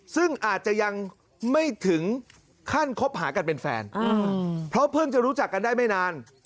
ซึ่งอาจจะยังไม่ถึงขั้นคบหากันเป็นแฟนเพราะเพิ่งจะรู้จักกันได้ไม่นาน